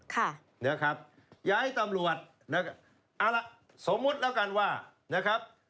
ค่ะนะครับย้ายตำรวจนะครับเอาล่ะสมมุติแล้วกันว่านะครับ